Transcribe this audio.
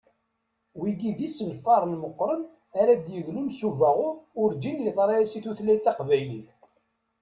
Wigi d isenfaren meqqṛen ara d-yeglun s ubaɣur urǧin yeḍra-as i tutlayt taqbaylit.